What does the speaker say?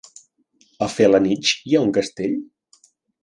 A Felanitx hi ha un castell?